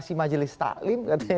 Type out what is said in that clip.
sewaktu contrat menggunakan justi